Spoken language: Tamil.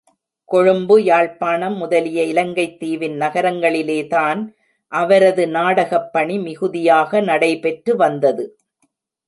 கொழும்பு, யாழ்ப்பாணம் முதலிய இலங்கைத் தீவின் நகரங்களிலேதான் அவரது நாடகப்பணி மிகுதியாக நடை பெற்று வந்தது.